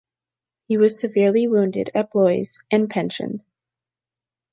He was severely wounded at Blois and pensioned.